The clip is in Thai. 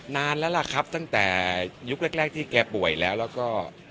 นานแล้วล่ะครับตั้งแต่ยุคแรกที่แกป่วยแล้วแล้วก็